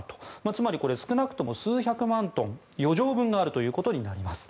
つまり、少なくとも数百万トン余剰分があることになります。